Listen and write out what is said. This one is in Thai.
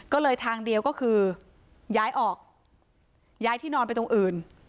ก็เลยทางเดียวก็คือย้ายออกย้ายที่นอนไปตรงอื่น